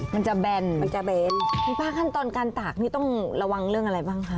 มันจะแบนคุณป้าครับตอนการตากต้องระวังเรื่องอะไรบ้างค่ะ